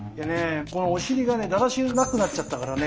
このお尻がねだらしなくなっちゃったからね